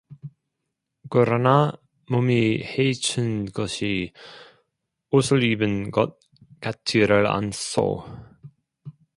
그러나 몸이 헤츤 것이 옷을 입은 것 같지를 않소.